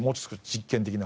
実験的な。